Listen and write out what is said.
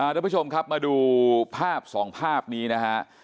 ทุกผู้ชมครับมาดูภาพสองภาพนี้นะฮะ